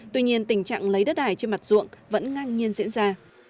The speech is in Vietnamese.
tuy nhiên tình trạng lấy đất ải trên mặt ruộng vẫn ngang nhiên diễn ra